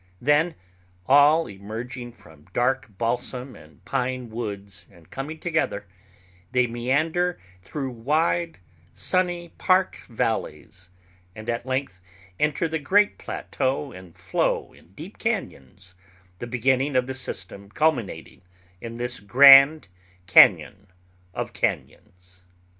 Then, all emerging from dark balsam and pine woods and coming together, they meander through wide, sunny park valleys, and at length enter the great plateau and flow in deep cañons, the beginning of the system culminating in this grand cañon of cañons.